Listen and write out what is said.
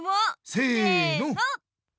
せの！